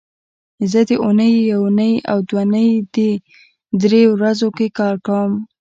زه د اونۍ یونۍ او دونۍ دې درې ورځو کې کار کوم